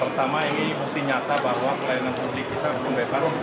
pertama yang ini pasti nyata bahwa pelayanan publik kita belum beban